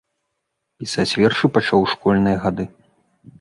Пісаць вершы пачаў у школьныя гады.